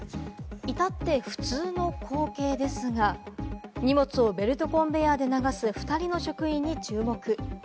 至って普通の光景ですが、荷物をベルトコンベヤーで流す２人の職員に注目。